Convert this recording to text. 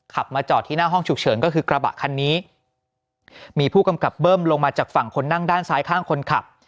มาจอดที่หน้าห้องฉุกเฉินก็คือกระบะคันนี้มีผู้กำกับเบิ้มลงมาจากฝั่งคนนั่งด้านซ้ายข้างคนขับ